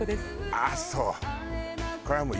ああそう。